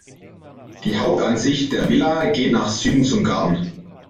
Die Hauptansicht der Villa geht nach Süden zum Garten.